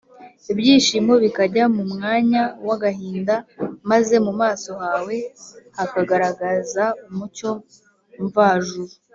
Ibyishimo bikajya mu mwanya w’agahinda, maze mu maso hawe hakagaragaza umucyo mvajuru